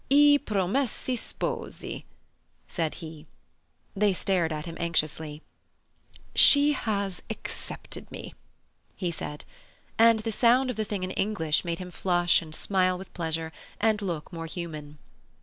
"I promessi sposi," said he. They stared at him anxiously. "She has accepted me," he said, and the sound of the thing in English made him flush and smile with pleasure, and look more human.